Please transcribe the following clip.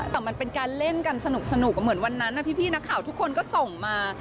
แต่มันเป็นการเล่นกันสนุกเหมือนวันนั้นพี่นักข่าวทุกคนก็ส่งมา